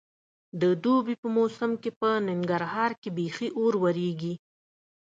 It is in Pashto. د دوبي په موسم کې په ننګرهار کې بیخي اور ورېږي.